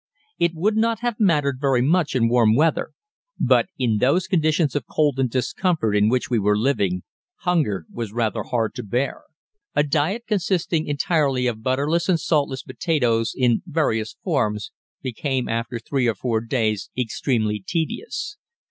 It would not have mattered very much in warm weather, but in those conditions of cold and discomfort in which we were living, hunger was rather hard to bear. A diet consisting entirely of butterless and saltless potatoes in various forms became after three or four days extremely tedious.